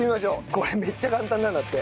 これめっちゃ簡単なんだって。